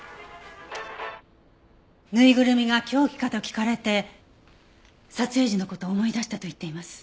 ぬいぐるみが凶器かと聞かれて撮影時の事を思い出したと言っています。